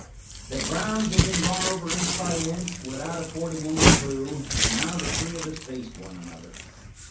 The grounds had been gone over inch by inch, without affording any clue, and now the three of us faced one another.